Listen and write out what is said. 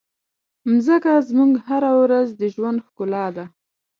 مځکه زموږ هره ورځ د ژوند ښکلا ده.